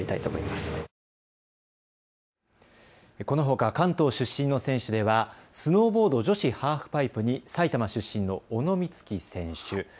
このほか関東出身の選手ではスノーボード女子ハーフパイプに埼玉出身の小野光希選手。